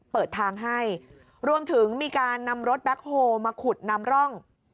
เปิดทางให้รวมถึงมีการนำรถแบ็คโฮลมาขุดนำร่อง